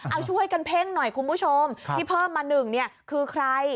เอาช่วยกันเพ่งหน่อยคุณผู้ชมที่เพิ่มมา๑เนี่ยคือใคร